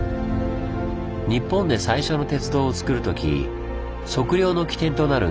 日本で最初の鉄道をつくるとき測量の起点となる